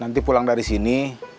nanti pulang dari sini